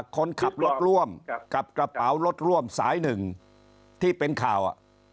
คนขับรถร่วมกับกระเป๋ารถร่วมสายหนึ่งที่เป็นข่าว